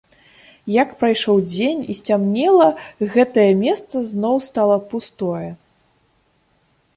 Як прайшоў дзень і сцямнела, гэтае месца зноў стала пустое.